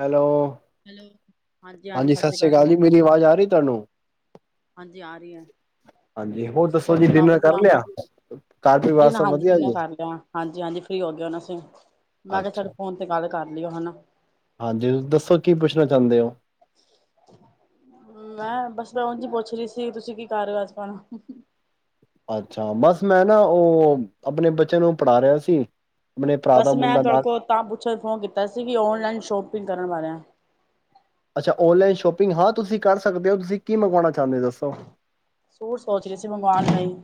Hello hello. ਹਾਂਜੀ ਸਤਿ ਸ੍ਰੀ ਅਕਾਲ ਜੀ ਮੇਰੀ ਅਵਾਜ਼ ਆ ਰਹੀ ਤੁਹਾਨੂੰ ਹਾਂਜੀ ਆ ਰਹੀ ਹੈ, ਹਾਂਜੀ ਦੱਸੋ ਹੋਰ ਜੀ ਸੁਣਾ ਡਿਨਰ ਕਰ ਵਧੀਆ ਲਿਆ ਘਰ ਪਰਿਵਾਰ ਡਿਨ ਸਭ ਹਾਂਜੀ ਵਧੀਆ ਡਿਨਰ ਜੀ ਕਰ ਲਿਆ ਹਾਂਜੀ- ਹਾਂਜੀ ਫਰੀ ਹੋ ਗਏ, ਹੁਣ ਅਸੀਂ ਮੈਂ ਕਿਹਾ ਅੱਛਾ ਫੋਨ ਤੇ ਗੱਲ ਕਰ ਲਈ ਉਹ ਹਨਾ। ਹਾਂਜੀ, ਦੱਸੋ ਕੀ ਪੁੱਛਣਾ? ਜਾਂਦੇ ਹੋ ਮੈਂ ਬਸ ਮੈਂ ਉਂਝ ਈ ਪੁੱਛ ਰਹੀ ਸੀ, ਤੁਸੀਂ ਕੀ ਕਰ ਰਹੇ ਓ ਅੱਜਕਲ? ਅੱਛਾ ਬਸ ਮੈਂ ਨਾ ਉਹ ਆਪਣੇ ਬੱਚੇ ਨੂੰ ਪੜ੍ਹਾ ਰਿਹਾ ਸੀ। ਆਪਣੇ ਭਰਾ ਦਾ ਬਸ ਮੈਂ ਮੁੰਡਾ ਤੁਹਾਡੇ ਨਾਲ ਕੋਲ ਤਾਂ ਪੁੱਛਣ ਫੋਨ ਕੀਤਾ ਸੀ ਕਿ ਓਨਲਾਈਨ ਸ਼ੋਪਿੰਗ ਕਰਨ ਵਾਲਿਆਂ ਅੱਛਾ, ਓਨਲਾਈਨ ਸ਼ੋਪਿੰਗ ਹਾਂ ਤੁਸੀਂ ਕਰ ਸਕਦੇ ਹੋ ਤੁਸੀਂ ਕੀ ਮੰਗਵਾਉਣਾ ਚਾਹੁੰਦੇ ਹੋ ਦੱਸੋ? ਸੂਟ ਸੋਚ ਰਹੀ ਸੀ ਮੰਗਵਾਉਣ ਲਈ।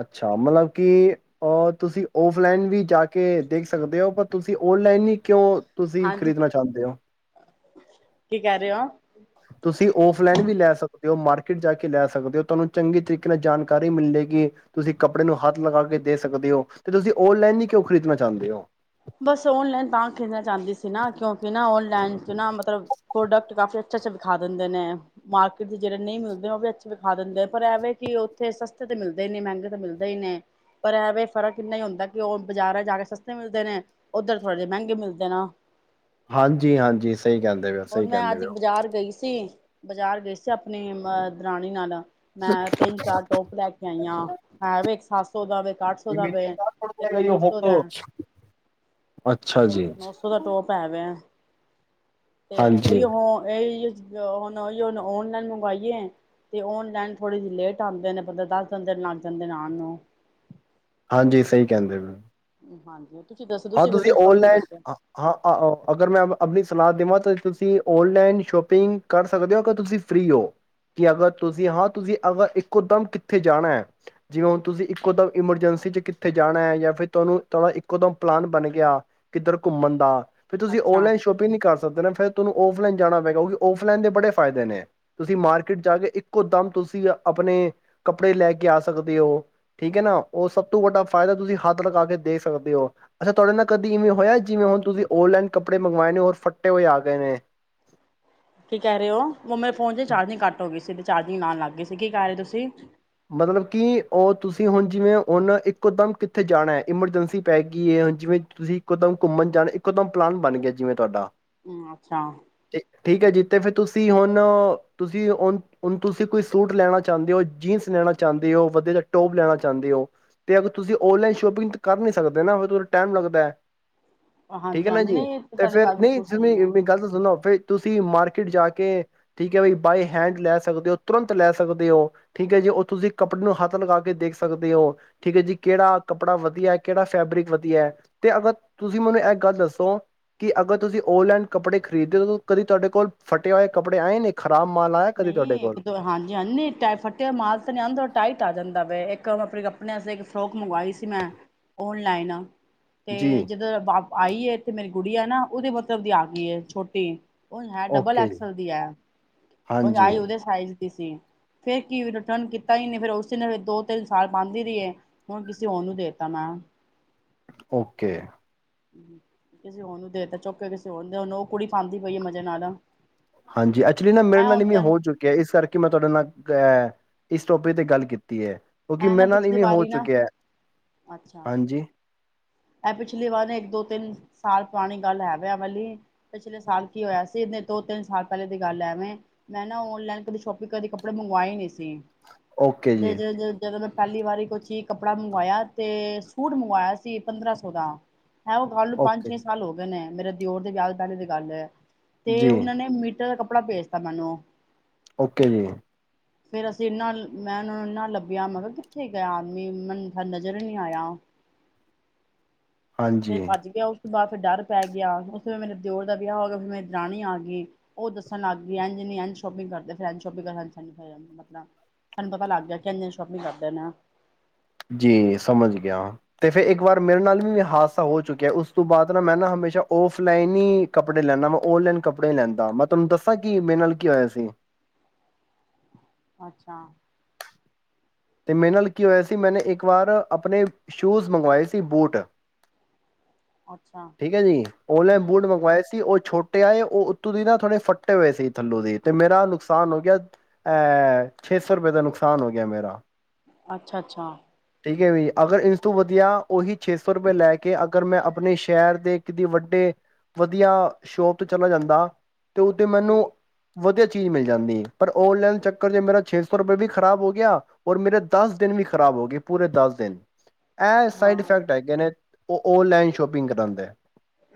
ਅੱਛਾ, ਮਤਲਬ ਕਿ ਅ ਤੁਸੀਂ ਔਫਲਾਈਨ ਵੀ ਜਾ ਕੇ ਦੇਖ ਸਕਦੇ ਹੋ ਪਰ ਤੁਸੀਂ ਔਨਲਾਈਨ ਹੀ ਕਿਉਂ ਤੁਸੀਂ ਹਾਂਜੀ ਖ਼ਰੀਦਣਾ ਚਾਹੁੰਦੇ ਹੋ। ਕੀ ਕਹਿ ਰਹੇ ਹੋ? ਤੁਸੀਂ ਔਫਲਾਈਨ ਵੀ ਲੈ ਸਕਦੇ। ਤੇ ਉਹ ਮਾਰਕੀਟ ਜਾ ਕੇ ਲੈ ਸਕਦੇ ਹੋ ਤੁਹਾਨੂੰ ਚੰਗੀ ਤਰੀਕੇ ਨਾਲ ਜਾਣਕਾਰੀ ਮਿਲੇਗੀ ਤੁਸੀਂ ਕੱਪੜੇ ਨੂੰ ਹੱਥ ਲਗਾ ਕੇ ਦੇ ਸਕਦੇ ਹੋ ਤੇ ਤੁਸੀਂ ਓਨਲਾਈਨ ਹੀ ਕਿਉਂ ਖਰੀਦਣਾ ਚਾਹੁੰਦੇ ਹੋ। ਬਸ ਓਨਲਾਈਨ ਤਾਂ ਖਰੀਦਣਾ ਚਾਹੁੰਦੀ ਸੀ ਨਾ ਕਿਉਂਕਿ ਨਾ ਓਨਲਾਈਨ ਚ ਨਾ ਮਤਲਬ ਪ੍ਰੋਡਕਟ ਕਾਫੀ ਅੱਛਾ-ਅੱਛਾ ਵਿਖਾ ਦਿੰਦੇ ਨੇ ਮਾਰਕੀਟ ਦੇ ਜਿਹੜੇ ਨਹੀਂ ਮਿਲਦੇ ਉਹ ਵੀ ਅੱਛੇ ਵਿਖਾ ਦਿੰਦੇ ਪਰ ਐਵੇ ਕਿ ਉੱਥੇ ਸਸਤੇ ਤੇ ਮਿਲਦੇ ਹੀ ਨੇ ਮਹਿੰਗੇ ਤਾਂ ਮਿਲਦੇ ਹੀ ਨੇ ਪਰ ਐਵੇਂ ਫ਼ਰਕ ਇੰਨਾ ਹੀ ਹੁੰਦਾ ਕਿ ਉਹ ਬਾਜ਼ਾਰਾਂ ਜਾ ਕੇ ਸਸਤੇ ਮਿਲਦੇ ਨੇ। ਉੱਧਰ ਥੋੜੇ ਜਿਹੇ ਮਹਿੰਗੇ ਮਿਲਦੇ ਨਾ। ਹਾਂਜੀ, ਹਾਂਜੀ ਸਹੀ ਕਹਿੰਦੇ ਪਓ, ਔਰ ਸਹੀ ਮੈਂ ਅੱਜ ਕਹਿੰਦੇ ਪਓ। ਬਾਜ਼ਾਰ ਗਈ ਸੀ ਬਾਜ਼ਾਰ ਗਏ ਸੀ ਆਪਣੀ ਅ, ਦਰਾਣੀ ਨਾਲ। ਮੈਂ ਤਿੰਨ ਚਾਰ ਟੋਪ ਲੈ ਕੇ ਆਈ ਆ, ਹੈ ਵੀ ਇੱਕ ਸੱਤ ਸੌ ਦਾ ਵ, ਇੱਕ ਅੱਠ ਸੌ ਦਾ ਵ, ਇੱਕ ਨੌ ਸੌ ਦਾ। ਹੋ ਅੱਛਾ ਇੱਕ ਜੀ ਨੌ ਸੌ ਦਾ ਟੋਪ ਹੈ ਪ ਹ ਤੇ ਹੀ ਹਾਂਜੀ ਹ ਹੀ ਹੁਣ ਉਹੀਨ ਓਨਲਾਈਨ ਮੰਗਵਾਈਏ ਤੇ ਓਨਲਾਈਨ ਥੋੜੀ ਜਿਹੀ ਲੇਟ ਆਉਂਦੇ ਨੇ ਬੰ ਦੱਸ ਦ ਦਿਨ ਲੱਗ ਜਾਂਦੇ ਨੇ ਆਉਣ ਨੂੰ। ਹਾਂਜੀ ਸਹੀ ਕਹਿੰਦੇ ਪਏ। ਹਾਂਜੀ। ਤੁਸੀਂ ਦੱਸੋ ਹਾਂ ਤੁਸੀਂ ਕਦੋਂ ਸ਼ੋਪਿੰਗ ਓਨਲਾਈਨ ਕਰਦੇ ਹੋ ਹਾਂ, ਅਗਰ ਮੈਂ ਆਪਣੀ ਸਲਾਹ ਦੇਵਾਂ ਤਾਂ ਤੁਸੀਂ ਔਨਲਾਈਨ ਸ਼ੋਪਿੰਗ ਕਰ ਸਕਦੇ ਹੋ ਅਗਰ ਤੁਸੀਂ ਫਰੀ ਹੋ ਕਿ ਅਗਰ ਤੁਸੀਂ ਹਾਂ ਤੁਸੀਂ ਅਗਰ ਇੱਕੋ ਦਮ ਕਿੱਥੇ ਜਾਣਾ ਹੈ ਜਿਵੇਂ ਹੁਣ ਤੁਸੀਂ ਇੱਕੋ ਦਮ ਇਮਰਜੈਂਸੀ 'ਚ ਕਿੱਥੇ ਜਾਣਾ ਹੈ ਜਾਂ ਫਿਰ ਤੁਹਾਨੂੰ ਤੁਹਾਡਾ ਇੱਕੋ ਦਮ ਪਲਾਨ ਬਣ ਗਿਆ ਕਿੱਧਰ ਘੁੰਮਣ ਦਾ। ਫਿਰ ਤੁਸੀਂ ਅੱਛਾ ਔਨਲਾਈਨ ਸ਼ੋਪਿੰਗ ਨਹੀਂ ਕਰ ਸਕਦੇ ਨੇ ਫਿਰ ਤੁਹਾਨੂੰ ਓਫਲਾਈਨ ਜਾਣਾ ਪੈ ਕਿਉਂਕਿ ਓਫਲਾਈਨ ਦੇ ਬੜੇ ਫ਼ਾਇਦੇ ਨੇ, ਤੁਸੀਂ ਮਾਰਕੀਟ ਜਾ ਕੇ ਇੱਕੋ ਦਮ ਤੁਸੀਂ ਆਪਣੇ ਕੱਪੜੇ ਲੈ ਕੇ ਆ ਸਕਦੇ ਹੋ ਠੀਕ ਹੈ, ਨਾ ਉਹ ਸਭ ਤੋਂ ਵੱਡਾ ਫਾਇਦਾ ਤੁਸੀਂ ਹੱਥ ਲਗਾ ਕੇ ਦੇ ਸਕਦੇ ਹੋ। ਅੱਛਾ, ਤੁਹਾਡੇ ਨਾਲ ਕਦੀ ਇਵੇਂ ਹੋਇਆ ਜਿਵੇਂ ਹੁਣ ਤੁਸੀਂ ਔਨਲਾਈਨ ਕੱਪੜੇ ਮੰਗਵਾਏ ਨੇ ਹੋਰ ਫੱਟੇ ਹੋਏ ਆ ਗਏ ਨੇ। ਕੀ ਕਹਿ ਰਹੇ ਹੋ? ਮੇਰੇ ਫੋਨ ਚ ਚਾਰਜਿੰਗ ਕੱ ਹੋ ਗਈ ਸੀ। ਚਾਦੀ ਲਉਣ ਲਗ ਗਈ ਸੀ ਕਹਿ ਰਹੇ ਤੁਸੀਂ? ਮਤਲਬ ਕਿ ਉਹ ਤੁਸੀਂ ਹੁਣ ਜਿਵੇਂ ਉਹਨ ਇੱਕੋਦਮ ਕਿੱਥੇ ਜਾਣਾ ਐਮਰਜੈਂਸੀ ਪੈ ਗਈ ਹੁਣ ਜਿਵੇਂ ਤੁਸੀਂ ਇੱਕੋਦਮ ਘੁੰਮਣ ਜਾਣਾ ਇੱਕੋਦਮ ਪਲਾਨ ਬਣ ਗਿਆ ਜਿਵੇਂ ਤੁਹਾਡਾ ਅੱਛਾ। ਠੀ ਠੀਕ ਹੈ ਜੀ ਤੇ ਫਿਰ ਤੁਸੀਂ ਹੁਣ ਤੁਸੀਂਣ ਤੁਸੀਂ ਕੋਈ ਸੂਟ ਲੈਣਾ ਚਾਹੁੰਦੇ ਹੋ ਜੀਨਸ ਲੈਣਾ ਚਾਹੁੰਦੇ ਓ, ਵਧੀਆ ਟੋਪ ਲੈਣਾ ਚਾਹੁੰਦੇ ਓ। ਅਗਰ ਤੁਸੀਂ ਓਨਲਾਈਨ ਸ਼ੋਪਿੰਗ ਕਰ ਨਹੀਂ ਸਕਦੇ ਨਾ ਫਿਰ ਟਾਈਮ ਲੱਗਦਾ ਐ। ਠੀਕ ਹਾਂਜੀ ਹੈ ਨਾ ਹਾਂਜੀ ਜੀ, ਨਹੀਂ ਤੇ ਤੁਹਾਡੀ ਫੇਰ ਗੱਲ ਨਹੀਂ ਬਿਲਕੁਲ ਸਹੀ ਹੈ ਤੁਂ ਗੱਲ ਤਾਂ ਸੁਣੋ ਫੇ ਤੁਸੀ ਮਾਰਕੀਟ ਜਾ ਕੇ ਠੀਕ ਹੈ ਬਈ ਬਾਏ ਹੈਂਡ ਲੈ ਸਕਦੇ ਹੋ ਤੁਰੰਤ ਲੈ ਸਕਦੇ ਹੋ ਠੀਕ ਹੈ ਜੀ ਤੁਸੀਂ ਕੱਪੜੇ ਨੂੰ ਹੱਥ ਲਗਾ ਕੇ ਦੇਖ ਸਕਦੇ ਹੋ ਠੀਕ ਹੈ ਜੀ ਕਿਹੜਾ ਕੱਪੜਾ ਵਧੀਆ ਹੈ ਕਿਹੜਾ ਫੈਬਰਿਕ ਵਧੀਆ ਹੈ ਤੇ ਅਗਰ ਤੁਸੀਂ ਮੈਨੂੰ ਇਹ ਗੱਲ ਦੱਸੋ ਕਿ ਅਗਰ ਤੁਸੀਂ ਓਨਲਾਈਨ ਕੱਪੜੇ ਖਰੀਦੇ ਹੋ ਕਦੀ ਤੁਹਾਡੇ ਕੋਲ ਫਟੇ ਹੋਏ ਕੱਪੜੇ ਆਏ ਨੇ ਖ਼ਰਾਬ ਮਾਲ ਆਇਆ ਕਦੇ ਤੁਹਾਡੇ ਨਹੀਂ ਕੋਲ ਇੱਕ ਦੋ ਹਾਂਜੀ ਹਾਂ ਨ ਟੈ ਫੱਟਿਆ ਮਾਲ ਨ ਟਾਈਟ ਆ ਜਾਂਦਾ ਵ ਇੱਕ ਆਪਣੇ ਆਸਤੇ ਇੱਕ ਫਰੋਕ ਮੰਗਵਾਈ ਸੀ ਮੈਂ ਓਨਲਾਈਨ ਤੇ ਜੀ ਜਦੋਂ ਫਾਕ ਆਈ ਤੇ ਮੇਰੀ ਗੁੜੀਆ ਹੈ ਨਾ ਉਹਦੇ ਮਤਲਬ ਦੀ ਆ ਗਈ ਹੈ ਛੋਟੀ ਉਹ ਹੈ ਡਬਲ ਓਕੇ ਜੀ ਐਕਸਲ ਦੀ ਹੈ ਉੰਜ ਹਾਂਜੀ ਆਈ ਉਹਦੇ ਸਾਈਜ਼ ਕੀ ਸੀ ਫਿਰ ਕੀ ਰਿਟਰਨ ਕੀਤਾ ਹੀ ਨਹੀਂ ਫਿਰ ਉਸ ਨੂ ਦੋ ਤਿੰਨ ਸਾਲ ਪਾਂਦੀ ਰਹੀਏ ਹੁਣ ਕਿਸੇ ਹੋਰ ਨੂੰ ਦੇਤਾ ਮੈਂ ਓਕੇ ਕਿਸੇ ਹੋਰ ਨੂੰ ਦੇਤਾ ਚੁੱਕ ਕੇ ਕਿਸੇ ਹੋਨ ਉਹ ਕੁੜੀ ਪਾਂਦੀ ਪਈ ਆ ਮਜ਼ੇ ਨਾਲ ਆ ਹਾਂਜੀ ਐਕਚੁਲੀ ਨਾ ਮੇਰੇ ਨਾਲ ਵੀ ਹੋ ਚੁੱਕਿਆ ਇਸ ਕਰਕੇ ਮੈਂ ਤੁਹਾਡੇ ਨਾਲ ਹੈ ਇਸ ਟੋਪਿਕ ਤੇ ਗੱਲ ਕੀਤੀ ਹੈ ਕਿਉਂਕਿ ਐ ਨਾ ਮੇਰੇ ਨਾਲ ਪਿਛਲੀ ਇਵੇਂ ਹੋ ਵਾਰੀ ਨਾ ਚੁੱਕਿਆ, ਅੱਛਾ ਹਾਂਜੀ ਇਹ ਪਿਛਲੀ ਵਾਰ ਇੱਕ ਦੋ ਤਿੰਨ ਸਾਲ ਪੁਰਾਣੀ ਗੱਲ ਹੈਵੇ ਇਹ ਵਾਲੀ ਪਿਛਲੇ ਸਾਲ ਕੀ ਹੋਇਆ ਸੀ ਦੋ ਤਿੰਨ ਸਾਲ ਪਹਿਲੇ ਦੀ ਗੱਲ ਐਵੇਂ ਮੈਂ ਨਾ ਆਨਲਾਈਨ ਕਦੀ ਸ਼ੋਪਿੰਗ ਕਦੇ ਕੱਪੜੇ ਮੰਗਵਾਏ ਨਹੀਂ ਸੀ ਓਕੇ [unintelligible] ਜੀ ਪਹਿਲੀ ਵਾਰੀ ਕੁਛ ਹੀ ਕੱਪੜਾ ਮੰਗਵਾਇਆ ਤੇ ਸੂਟ ਮੰਗਵਾਇਆ ਸੀ ਪੰਦਰਾਂ ਸੋ ਦਾ ਹੈਂ ਉਹ ਗਲ ਨੂੰ ਪੰਜ ਓਕੇ ਛੇ ਸਾਲ ਹੋ ਗਏ ਨੇ ਮੇਰੇ ਦਿਓਰ ਦੇ ਵਿਆਹ ਤੋ ਪਹਿਲੇ ਦੀ ਗੱਲ ਹੈ ਤੇ ਜੀ ਉਨਹਾ ਨੇ ਮੀਟਰ ਦ ਕੱ [inaudible] ਭੇਜਤਾ ਮੈਨੂੰ ਓਕੇ ਜੀ ਫੇਿਰ ਅਸੀਂ ਇਨਾ ਮੈਂ ਉਹਨਾਂ ਨੂੰ ਇਨਾ ਲੱਭਿਆ ਮੈਂ ਕਿਹਾ ਕਿੱਥੇ ਗਿਆ ਆਦਮੀ ਮੈਨੂੰ ਮ ਨਜ਼ਰ ਨਹੀਂ ਆਇਆ ਫੇਰ ਹਾਂਜੀ ਭੱਜ ਗਿਆ ਉਹ ਉਸ ਤੋਂ ਬਾਅਦ ਫਿਰ ਡਰ ਪੈ ਗਿਆ ਉਸ ਤੋਂ ਬਾਦ ਮੇਰੇ ਦਿਓਰ ਦਾ ਵਿਆਹ ਹੋ ਗਿਆ ਮੇਰੀ ਦਰਾਣੀ ਆ ਗਈ ਉਹ ਦੱਸਣ ਲੱਗ ਗਈ ਇਂਝ ਨੀ ਇਂਝ ਸ਼ੋਪਿੰਗ ਕਰਦੇ ਫਿਰ ਸ਼ੋਪਿੰਗ ਕਰ ਮਤਲਬ ਸਾਨੂੰ ਪਤਾ ਲੱਗ ਗਿਆ ਇੰਜ ਨਹੀ ਇੰਜ ਸ਼ੋਪਿੰਗ ਕਰਦੇ ਨੇ ਜੀ ਸਮਝ ਗਿਆ ਤੇ ਫਿਰ ਇੱਕ ਵਾਰ ਮੇਰੇ ਨਾਲ ਵੀ ਹਾਦਸਾ ਹੋ ਚੁੱਕਿਆ ਉਸ ਤੋਂ ਬਾਅਦ ਨਾ ਮੈਂ ਨਾ ਹਮੇਸ਼ਾ ਆਫਲਾਈਨ ਹੀ ਕੱਪੜੇ ਲੈਦਾ ਮੈਂ ਆਨਲਾਈਨ ਕੱਪੜੇ ਨਹੀ ਲੈਂਦਾ ਮੈਂ ਤੁਹਾਨੂੰ ਦੱਸਾਂ ਕਿ ਮੇਰੇ ਨਾਲ ਕੀ ਹੋਇਆ ਸੀ ਅੱਛਾ ਅਤੇ ਮੇਰੇ ਨਾਲ ਕੀ ਹੋਇਆ ਸੀ ਮੈਨੇ ਇੱਕ ਵਾਰ ਆਪਣੇ ਸ਼ੂਜ਼ ਮੰਗਵਾਏ ਸੀ ਬੂਟ ਅੱਛਾ ਠੀਕ ਹੈ ਜੀ ਆਨਲਾਈਨ ਹੂੰ ਬੂਟ ਮੰਗਵਾਏ ਸੀ ਉਹ ਛੋਟ ਤੇ ਆਏ ਉਹ ਉੱਤੋਂ ਦੀ ਨਾ ਥੋੜੇ ਫੱਟੇ ਹੋਏ ਸੀ ਥੱਲੋਂ ਦੀ ਤੇ ਮੇਰਾ ਨੁਕਸਾਨ ਹੋ ਗਿਆ ਅਹ ਛੇਸੌ ਰੁਪਏ ਦਾ ਨੁਕਸਾਨ ਹੋ ਗਿਆ ਮੇਰਾ ਅੱਛਾ-ਅੱਛਾ ਠੀਕ ਹੈ ਵੀ ਅਗਰ ਇਸ ਤੋਂ ਵਧੀਆ ਉਹੀ ਛੇ ਸੌ ਰੁਪਏ ਲੈ ਕੇ ਅਗਰ ਮੈਂ ਆਪਣੇ ਸ਼ਹਿਰ ਦੇ ਕਿਤੇ ਵੱਡੇ ਵਧੀਆ ਸ਼ੋਪ ਤੋਂ ਚਲਾ ਜਾਂਦਾ ਤੇ ਉਦੇ ਮੈਨੂੰ, ਵਧੀਆ ਜੂ ਤੇ ਈ ਮਿਲ ਜਾਂਦੀ ਹ ਪਰ ਆਨਲਾਈਨ ਚੱਕਰ ਚ ਮੇਰਾ ਸ਼ੇਸੂ ਵੀ ਖਰਾਬ ਹੋ ਗਿਆ ਔਰ ਮੇਰੇ ਦਸ ਦਿਨ ਵੀ ਖਰਾਬ ਹੋ ਗਏ ਪੂਰੇ ਦਸ ਦਿਨ ਇਹ ਸਾਈਡ ਹਾਂ ਇਫੈਕਟ ਹੈਗੇ ਨੇ। ਉਹ ਔਨਲਾਈਨ ਸ਼ੋਪਿੰਗ ਕਰਾਉਂਦਾ ਹੈ।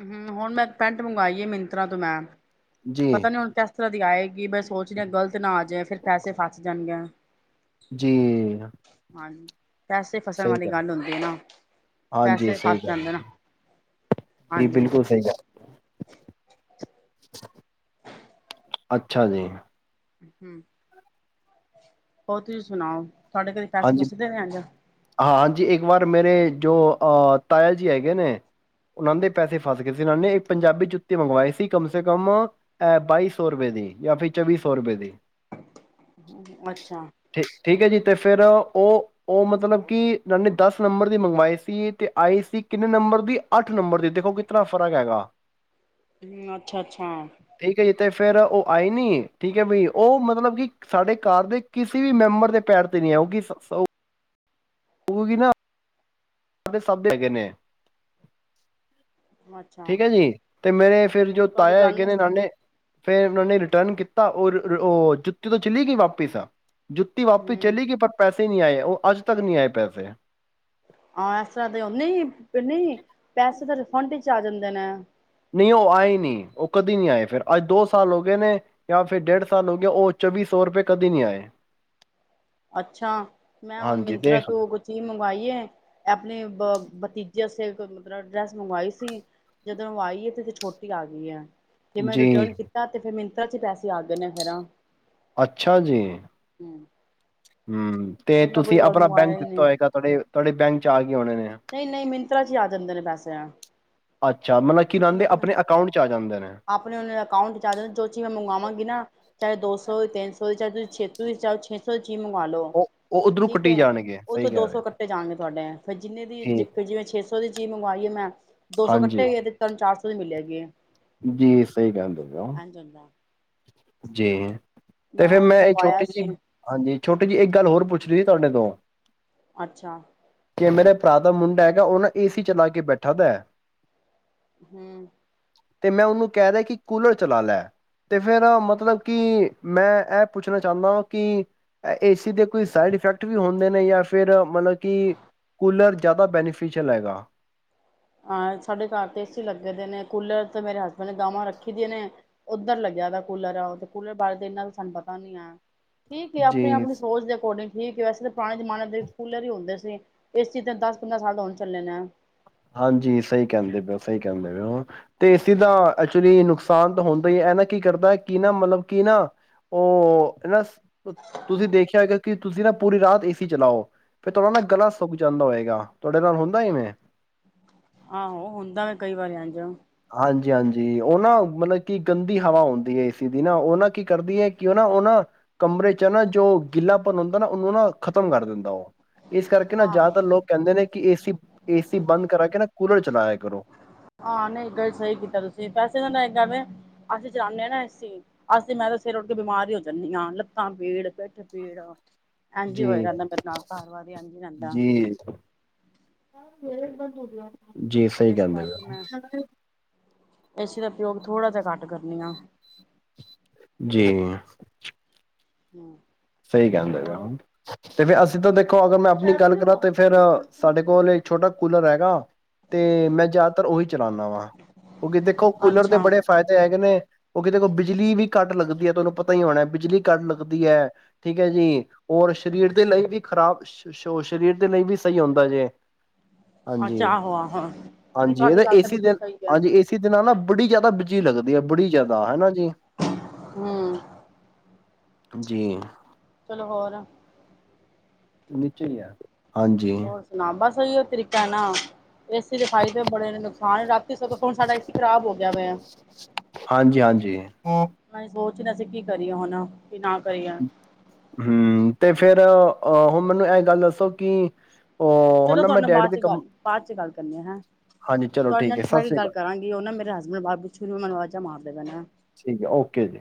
ਹਮ ਹੁਣ ਮੈਂ ਇੱਕ ਪੈਂਟ ਮੰਗਵਾਈ ਆ ਮਿੰਤਰਾਂ ਤੋਂ ਮੈਂ। ਪਤਾ ਜੀ ਨੀ ਹੁਣ ਕ ਕਿਸ ਤਰ੍ਹਾਂ ਦੀ ਆਏਗੀ। ਮੈਂ ਸੋਚਦੀ ਗ਼ਲਤ ਨਾ ਆ ਜਾਏ ਫਿਰ ਪੈਸੇ ਫਸ ਜਾਣਗੇ। ਜੀ। ਹਾਂਜੀ ਪੈਸੇ ਫਸਣ ਵਾਲੀ ਗੱਲ ਹੁੰਦੀ ਹੈ। ਨਾ ਹਾਂਜੀ ਪੈਸੇ ਸਹੀ ਫਸ ਗੱਲ ਜਾਂਦੇ ਨਾ। ਜੀ ਹਾਂਜੀ। ਬਿਲਕੁਲ ਸਹੀ ਗੱਲ ਅੱਛਾ ਜੀ। ਹਮ। ਹੋਰ ਤੁਸੀਂ ਸੁਣਾਓ। ਕਦੇ ਪੈਸੇ ਹਾਂਜੀ। ਫਸਦੇ ਨੇ ਇੰਝ ਹਾਂ ਹਾਂਜੀ। ਇੱਕ ਵਾਰ ਮੇਰੇ। ਜੋ ਤਾਇਆ ਜੀ ਹੈਗੇ ਨੇ। ਕ ਉਹਨਾਂ ਦੇ ਪੈਸੇ ਫਸ ਗਏ ਉਹਨਾਂ ਨੇ ਇੱਕ ਪੰਜਾਬੀ ਜੁੱਤੀ ਮੰਗਵਾਈ ਸੀ ਕਮ ਸੇ ਕਮ ਅਹ ਬਾਈ ਸੌ ਰੁਪਏ ਦੀ ਜਾਂ ਫਿਰ ਚੌਵੀ ਸੌ ਰੁਪਏ ਦੀ। ਅੱਛਾ ਠੀ ਠੀਕ ਹੈ। ਜੀ ਤੇ- ਫਿਰ ਉਹ ਮਤਲਬ ਕਿ ਦਸ ਨੰਬਰ ਦੀ ਮੰਗਵਾਏ ਸੀ ਤੇ ਆਈ ਸੀ ਕਿੰਨੇ ਨੰਬਰ ਦੀ ਅੱਠ ਨੰਬਰ ਦੇ ਦੇਖੋ ਕਿਤਨਾ ਫਰਕ ਹੈਗਾ ਹਮ ਅੱਛਾ, ਅੱਛਾ। ਫੇਿਰ ਉਹ ਆਈ ਨੀ। ਠੀਕ ਹੈ ਬ ਉਹ ਮਤਲਬ ਕਿ ਸਾਡੇ ਘਰ ਦੇ ਕਿਸੇ ਵੀ ਮੈਂਬਰ ਦੇ ਪੈਰ। ਨ ਆਉਗੀ ਸ ਹੋ ਗਈ ਨਾ ਹੈਗੇ ਨੇ ਅੱਛਾ ਠੀਕ ਹੈ ਜੀ। ਤੇ ਮੇਰੇ ਫਿਰ ਜੋ ਤੁਹਾਡੀ ਤਾਇਆ ਗੱਲ ਹੈਗੇ ਨੂੰ ਨੇ ਉਹ ਨੇ ਫੇਿਰ ਉਹ ਨੇ ਰਿਟਰਨ ਕੀਤਾ ਤਾਂ ਉਹ ਉਹ ਜੁੱਤੀ ਤੋਂ ਚਲੀ ਗਈ ਵਾਪਿਸ ਆ। ਜੁੱਤੀ ਵਾਪਸ ਹੂੰ ਚਲੇ ਗਈ ਪਰ ਪੈਸੇ ਪੈਸੇ ਨਹੀਂ ਆਏ ਉਹ ਅੱਜ ਤੱਕ ਨਹੀਂ ਆਏ ਪੈਸੇ। ਹਾਂ ਇਸ ਤਰ੍ਹਾਂ ਦੇ ਉਹ ਨਹੀਂ, ਨਹੀਂ ਪੈਸੇ ਤਾਂ ਰਿਫੰਡ ਆ ਜਾਂਦੇ ਨੇ। ਨਹੀਂ ਉਹ ਆਏ ਨਹੀਂ, ਉਹ ਕਦੇ ਨਹੀਂੀ ਆਏ ਫਿਰ ਅੱਜ ਦੋ ਸਾਲ ਹੋ ਗਏ ਨੇ ਜਾਂ ਫਿਰ ਡੇਢ ਸਾਲ ਹੋ ਗਏ ਉਹ ਚੌਵੀ ਸੌ ਰੁਪਏ ਕਦੇ ਨਹੀਂੀ ਆਏ। ਅੱਛਾ। ਮੈਂ ਹੁ ਹਾਂਜੀ ਮਿੰਤਰਾ ਦੇਖ ਤੋਂ ਕੁਛ ਹੀਜ਼ ਮੰਗਵਾਈ ਹੈ ਆਪਣੇ ਬਤੀ ਜੇ ਅਸੀਂ ਮਤਲਬ ਡਰੈਸ ਮੰਗਵਾਈ ਸੀ ਜਦੋਂਵਾਈ ਹੈ ਤੇ ਅ ਛੋਟੀ ਆ ਗਈ ਹੈ। ਜੇ ਮੈਂ ਜੀ ਰਿਟਰਨ ਕੀਤਾ ਤੇ ਫਿਰ ਮੈਨੂੰ ਚ ਪੈਸੇ ਆਗਏ ਨੇ ਫੇਿਰ। ਅੱਛਾ ਜੀ। [inaudible] ਹਮ ਤੇ ਫਿਰ ਮੈਂ ਕੁਝ ਤੁਸੀਂ ਹੋਰ ਆਪਣਾ ਬੈਂਕ ਮੰਗਵਾਇਆ ਹੀ ਦਿੱਤਾ ਨਹੀਂ ਹੋਏਗਾ। ਤੁਹਾਡੇ ਤੁਹਾਡੇ ਬੈਂਕ ਚ ਆ। ਗਏ ਹੋਣੇ ਨੇ ਨਹੀਂ, ਨਹੀਂ। ਮਿੰਤਰਾ ਚ ਹੀ ਆ ਜਾਂਦੇ ਨੇ ਪੈਸੇ। ਅੱਛਾ ਮਤਲਬ ਕੀ ਛੇਹ ਲਾਂਦੇ ਚਛੇ ਆਪਣੇ ਅਕਾਊਂਟ ਚ ਆ ਜਾਂਦੇ ਨੇ ਸੌ ਕੀ ਮੰਗਾ ਲਓ ਉਹ ਉਹ ਉੱਧਰੋਂ ਠੀਕ ਕੱਟੀ ਹ ਜਾਣਗੇ ਉਹ ਸਹੀ ਤੋਂ ਕਹਿ ਰਹੇ ਹੋ। ਦੋਸੋ ਕੱਟੇ ਜਾਣਗੇ ਤੁਹਾਡੇ ਚੀਜ਼ ਠੀਕ, ਜਿਵੇਂ ਸ਼ੇਸੋ ਦੀ ਉਹਦੀ ਚੀਜ਼ ਮੰਗਵਾਈਏ ਮੈਂ ਦੋ ਸੌ ਕੱਟੇ ਹਾਂਜੀ, ਹੋਏ ਤੇ ਤਿੰਨ ਚਾਰ ਸੌ ਮਿਲ ਜਾਵੇਗੀ ਜੀ ਸਹੀ ਕਹਿਣਦੇ ਪ ਹੁੰਦਾ ਹੋ ਜੀ ਤੇ ਫਿਰ ਹੁਣ ਮੈਂ ਇਹ ਮੰਗਵਾਇਆ ਛੋਟੀ ਜਿਹੀ ਸੀ ਹਾਂਜੀ ਛੋਟੀ ਜਿਹੀ ਇੱਕ ਗੱਲ ਹੋਰ ਪੁੱਛ ਸੀ ਤੁਹਾਡੇ ਤੋਂ ਅੱਛਾ ਜ ਮੇਰੇ ਭਰਾ ਦਾ ਮੁੰਡਾ ਹੈਗਾ ਉਹ ਨਾ ਏ ਸੀ ਚਲਾ ਕੇ ਬੈਠਾ ਦਾ ਹੈ ਹਮ ਤੇ ਮੈਂ ਉਹਨੂੰ ਕਹਿ ਦਾ ਕਿ ਕੂਲਰ ਚਲਾ ਲੈ ਤੇ ਫੇਰ ਮਤਲਬ ਕਿ ਮੈਂ ਇਹ ਪੁੱਛਣਾ ਚਾਹੁੰਦਾ ਕਿ ਏ ਸੀ ਦੇ ਕੋਈ ਸਾਈਡ ਇਫੈਕਟ ਵੀ ਹੁੰਦੇ ਨੇ ਜਾਂ ਫਿਰ ਮਤਲਬ ਕਿ ਕੂਲਰ ਜ਼ਿਆਦਾ ਬੈਨੀਫਿਸ਼ਅਲ ਹੈਗਾ ਹਾਂ ਸਾਡੇ ਘਰ ਤੇ ਇਸਏ ਸੀ ਲੱਗੇ ਦੇ ਨੇ ਕੂਲਰ ਤੇ ਮੇਰੇ ਹਸਬੈਂਡ ਨੇ ਗਾਵਾਂ ਰੱਖੀ ਦੀਆਂ ਨੇ ਉੱਧਰ ਲੱਗਿਆ ਦਾ ਕੂਲਰ ਆ ਉਹ ਤੇ ਕੂਲਰ ਬਾਰੇ ਇਨਾ ਦਾ ਸਾਨੂੰ ਪਤਾ ਨੀ ਆ ਠੀਕ ਏ ਆਪਣੀ ਜੀ ਆਪਣੀ ਸੋਚ ਦੇ ਅਕੋਡਿੰਗ ਠੀਕ ਵੈਸੇ ਤਾਂ ਪੁਰਾਣੇ ਜਮਾਨੇ ਦੇ ਕੂਲਰ ਹੀ ਹੁੰਦੇ ਸੀ ਇਸ ਚੀਜ਼ ਤੇ ਦਸ ਪੰਦਰਾਂ ਸਾਲ ਹੋਣ ਚੱਲੇ ਨੇ ਹਾਂਜੀ ਸਹੀ ਕਹਿੰਦੇ ਪ ਹੋ ਸਹੀ ਕਹਿੰਦੇ ਪ ਹੋ ਤੇ ਏਸੀ ਤਾਂ ਨੁਕਸਾਨ ਤਾਂ ਹੁੰਦਾ ਹੀ ਹੈ ਇਹਨਾਂ ਕੀ ਕਰਦਾ ਹੈ ਕਿ ਨਾ ਮਤਲਬ ਕੀ ਨਾ ਉਹ ਹਨ ਨਾ ਤੁਸੀਂ ਦੇਖਿਆ ਹੈਗਾ ਕਿ ਤੁਸੀਂ ਨਾ ਪੂਰੀ ਰਾਤ ਏਸੀ ਚਲਾਓ ਫਿਰ ਤੁਹਾਡਾ ਨਾ ਗਲਾ ਸੁੱਕ ਜਾਂਦਾ ਹੋਏਗਾ ਤੁਹਾਡੇ ਨਾਲ ਹੁੰਦਾ ਵੇਂ ਆਹੋ ਹੁੰਦਾ ਵ ਕਈ ਵਾਰੀ ਜਾ ਹਾਂਜੀ ਹਾਂਜੀ ਉਹਨਾਂ ਮਤਲਬ ਕਿ ਗੰਦੀ ਹਵਾ ਆਉਂਦੀ ਹ ਏਸੀ ਦੀ ਨਾ ਉਹਨਾਂ ਕੀ ਕਰਦੀ ਹੈ ਕਿਉਂ ਨਾ ਉਹਨਾਂ ਕਮਰੇ ਚ ਨਾ ਜੋ ਗਿੱਲਾ ਭਨ ਹੁੰਦਾ ਨਾ ਉਹਨੂੰ ਨਾ ਖਤਮ ਕਰ ਦਿੰਦਾ ਉਹ ਇਸ ਕਰਕੇ ਨਾ ਆਹੋ ਜ਼ਿਆਦਾਤਰ ਲੋਕ ਕਹਿੰਦੇ ਨੇ ਕਿ ਏਸੀ ਏਸੀ ਬੰਦ ਕਹਿੰਦਾ ਕੂਲਰ ਚਲਾਇਆ ਕਰੋ ਹਾਂ ਨਹੀਂ ਤਾਂ ਸਹੀ ਕੀਤਾ ਤੁਸੀਂ ਏਸੀ ਅਸੀਂ ਚਲਾਉਂਦੇ ਆ ਨਾ ਅਸੀਂ ਮੈਂ ਤਾਂ ਸਿਰ ਉੱਟ ਕੇ ਬਿਮਾਰ ਹੀ ਹੋ ਜਾਂਦੀ ਆ ਲੱਤਾਂ ਬੀੜ ਅਸੀਂ ਚਲਾਨੇ ਹਾਂ ਨਾ ਇਸ ਅਸੀ ਮੈਂ ਤਾਂ ਸਿਰ ਉੱਠ ਕੇ ਬਿਮਾਰ ਹੀ ਹੋ ਜਾਂਦੀ ਹਾਂ ਲੱਤਾਂ ਪੀੜ ਪਿੱਠ ਪੀੜ ਇਝ ਹੀ ਹੋ ਜੀ ਰਹਿੰਦਾ ਮੇਰੇ ਨਾਲ ਕਾਰ ਵਾਰ ਇਝ ਰਹਿੰਦਾ ਫੇਰ ਵਾ ਤੁਰਨਾ ਜੀ ਸਹੀ ਜਿਸ ਕਹਿੰਦੇ ਕਰਕੇ ਮੈਂ ਗ ਥੋੜ੍ਹਾ ਜਿਹਾ ਘੱਟ ਕਰਨੀ ਆ ਜੀ ਹਮ ਸਹੀ ਕਿਹਦੇ ਪਏ ਹੋ ਤੇ ਫੇਿਰ ਅਸੀਂ ਤਾਂ ਦੇਖੋ ਅਗਰ ਮੈਂ ਆਪਣੀ ਗੱਲ ਕਰਾਂ ਤੇ ਫੇਿਰ ਸਾਡੇ ਕੋਲ ਛੋਟਾ ਕੂਲਰ ਹੈਗਾ। ਤੇ ਮੈਂ ਜ਼ਿਆਦਾਤਰ ਉਹੀ ਚਲਾਉਦਾ ਵਾਂ ਕਿਉਂਕਿ ਦੇਖੋ ਕੂਲਰ ਦੇ ਅੱਛਾ, ਬੜੇ ਫ਼ਾਇਦੇ ਹੈਗੇ ਨੇ। ਉਹ ਕਿਤੇ ਕੋਲ ਬਿਜਲੀ ਵੀ ਘੱਟ ਲੱਗਦੀ ਹੈ। ਤੁਹਾਨੂੰ ਪਤਾ ਹੀ ਹੋਣਾ ਬਿਜਲੀ ਘੱਟ ਲੱਗਦੀ ਹੈ। ਠੀਕ ਹੈ। ਜੀ ਔਰ ਸਰੀਰ ਦੇ ਲਈ ਵੀ ਖ਼ਰਾਬ ਸਰੀਰ ਦੇ ਲਈ ਵੀ ਸਹੀ ਹੁੰਦਾ ਜੇ ਹਾਂਜੀ ਅੱਛਾ ਆਹੋ ਆਹੋ। ਨਹੀਂ ਹਾਂਜੀ ਤੁਹਾਡੀ ਇਹਦੇ ਗੱਲ ਏ ਤਾਂ ਬਿਲਕੁਲ ਦਿਨ ਸਹੀ ਹੈ। ਹਾਂਜੀ ਏਸੀ ਦਿਨਾਂ ਨਾ ਬੜੀ ਜ਼ਿਆਦਾ ਤਾਂ ਬੀਜੀ ਲੱਗਦੀ ਹੈ। ਬੜੀ ਜ਼ਿਆਦਾ ਹਨਾ ਜੀ ਹਮ ਜੀ ਚਲੋ ਹੋਰ ਨੀਚੇ ਆ ਹਾਂਜੀ ਸਹੀ ਉਹ ਤਰੀਕਾ ਹੈ। ਨਾ ਏਸੀ ਦੇ ਫਾਇਦੇ ਬੜੇ ਨੁਕਸਾਨ ਰਾਤੀ ਸਗੋ ਹੁਣ ਸਾਡਾ ਏ ਸੀ ਖਰਾਬ ਹੋ ਗਿਆ ਹੋਇ ਹਾਂਜੀ ਹਾਂਜੀ ਕੁਛ ਨਾ ਅਸੀਂ ਕੀ ਕਰੀਏ ਹੁਣ ਕੀ ਨਾ ਕਰੀਏ। ਹਮ ਤੇ ਫੇਰ ਅਹ ਹੁਣ ਮੈਨੂੰ ਇਹ ਗੱਲ ਦੱਸੋ ਕਿ ਉਹ ਹੁਣ ਚਲੋ ਨਾ ਤੁਹਾਡੇ ਮੈਂ ਨਾਲ ਡੈਡੀ ਬਾਅਦ ਦੇ ਚ ਕੰਮ ਗੱਲ ਬ ਬਾਦ ਚ ਗੱਲ ਕਰਨੀੇ ਆ ਹੈਂ। ਹਾਂਜੀ ਚਲੋ ਤੁਹਾਡੇ ਠੀਕ ਨਾਲ ਹੈ, ਸਤਿ ਸਾਰੀ ਸ੍ਰੀ ਗੱਲ ਅਕਾਲ, ਕਰਾਂਗੀ ਉਹ ਨਾ ਮੇਰੇ ਹਸਬੈਂਡ ਬਾਰ ਸ਼ੁਰੂ ਮੈਨੂੰ ਮਾਰਦੇ ਨਾ ਠੀਕ ਹੈ ਓਕੇ ਜੀ।